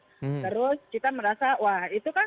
terus kita merasa wah itu kan